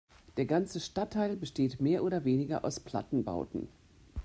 Der ganze Stadtteil besteht mehr oder weniger aus Plattenbauten.